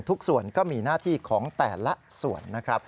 ทุกส่วนก็มีหน้าที่ของแต่ละส่วนนะครับ